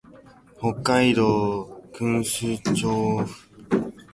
北海道訓子府町